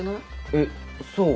えっそう？